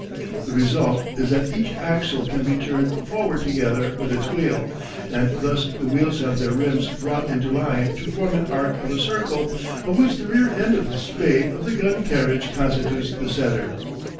The result is that each axle can be turned forward together with its wheel, and thus the wheels have their rims brought into line to form an arc of a circle, of which the rear end of the spade of the gun carriage constitutes the centre.